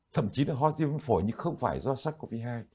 thậm chí là ho do viêm phổi nhưng không phải do sắc covid một mươi chín